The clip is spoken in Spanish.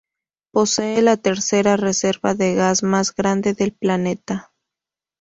Posee la tercera reserva de gas más grande del planeta.